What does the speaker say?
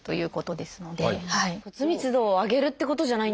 骨密度を上げるってことじゃないんですか？